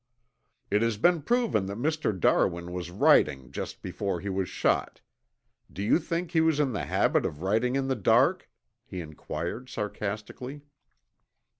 "It has been proven that Mr. Darwin was writing just before he was shot. Do you think he was in the habit of writing in the dark?" he inquired sarcastically.